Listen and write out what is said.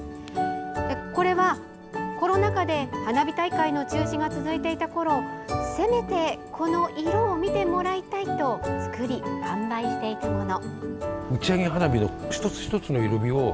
これは、コロナ渦で花火大会の中止が続いていたころせめてこの色を見てもらいたいと作り、販売していたもの。